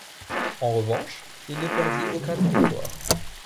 En revanche, il ne perdit aucun territoire.